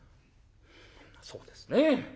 「そうですね。